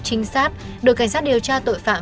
chính xác đội cảnh sát điều tra tội phạm